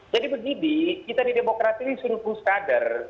jadi begini kita di demokrat ini suruh puskader